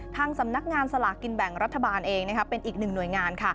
ทางสำนักงานสลากกินแบ่งรัฐบาลเองเป็นอีกหนึ่งหน่วยงาน